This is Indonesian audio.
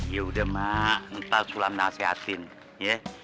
yaudah mak ntar sulam nasihatin ya